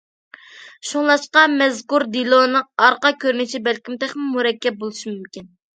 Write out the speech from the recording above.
شۇڭلاشقا مەزكۇر دېلونىڭ ئارقا كۆرۈنۈشى بەلكىم تېخىمۇ مۇرەككەپ بولۇشى مۇمكىن.